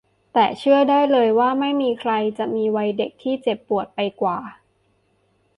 แต่เชื่อได้เลยว่าไม่มีใครจะมีวัยเด็กที่เจ็บปวดไปกว่า